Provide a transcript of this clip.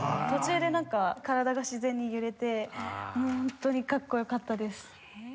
途中でなんか体が自然に揺れてもう本当にかっこよかったです。